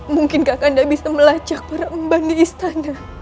mungkinkah kanda bisa melacak para umban di istana